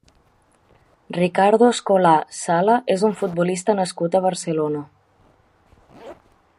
Ricardo Escolà Sala és un futbolista nascut a Barcelona.